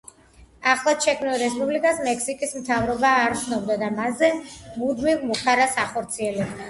ახლადშექმნილ რესპუბლიკას მექსიკის მთავრობა არ სცნობდა და მასზე მუდმივ მუქარას ახორციელებდა.